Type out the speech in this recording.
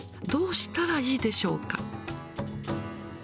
どうしたらいいでしょうか。